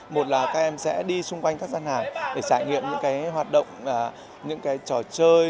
một là các em sẽ đi xung quanh các gian hàng để trải nghiệm những cái hoạt động những cái trò chơi